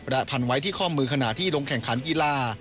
และพันไว้ที่ข้อมือขณะที่ลงแข่งขันกีฬา